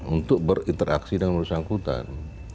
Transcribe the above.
untuk berinteraksi dengan orang sangkutan